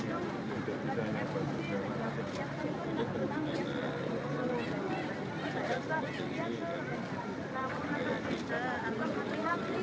karena memang dulu dulu sering saya omongin ke anak anak